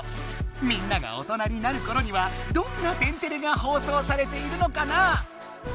みんなが大人になるころにはどんな「天てれ」がほうそうされているのかなあ。